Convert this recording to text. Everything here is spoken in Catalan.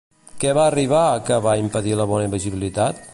Què va arribar, que va impedir la bona visibilitat?